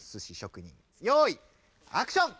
よいアクション！